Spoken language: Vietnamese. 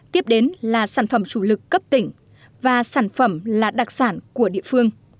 tiếp đến là sản phẩm chủ lực cấp tỉnh và sản phẩm là đặc sản của địa phương